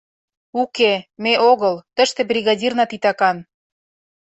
«Уке, ме огыл, тыште бригадирна титакан.